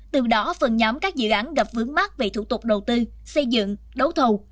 từ đó phần nhóm các dự án gặp vướng mắt về thủ tục đầu tư xây dựng đấu thầu